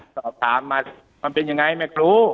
สอบถามมามันเป็นยังไงแม่ครู